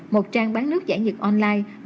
một trang bán nước giải nhiệt online